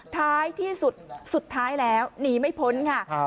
ท้ายที่สุดสุดท้ายแล้วหนีไม่พ้นค่ะ